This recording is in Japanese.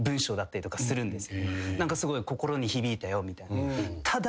「すごい心に響いたよ」みたいな。